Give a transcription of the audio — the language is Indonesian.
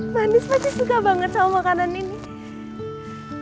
manis pasti suka banget sama makanan ini